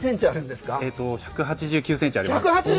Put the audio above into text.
１８９センチあります。